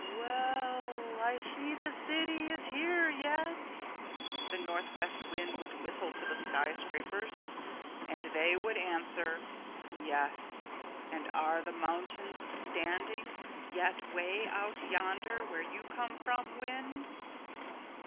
"Well, I see the city is here yet," the Northwest Wind would whistle to the skyscrapers. And they would answer, "Yes, and are the mountains standing yet way out yonder where you come from, Wind?"